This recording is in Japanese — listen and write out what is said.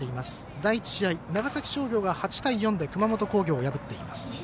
第１試合、長崎商業が８対４で熊本工業を破っています。